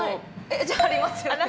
じゃあ、ありますよね？